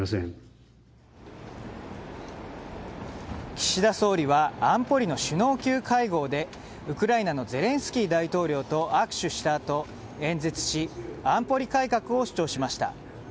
岸田総理は安保理の首脳級会合でウクライナのゼレンスキー大統領と握手した後演説し安保理改革を主張しました。